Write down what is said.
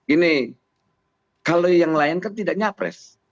ini kalau yang lain kan tidak nyapres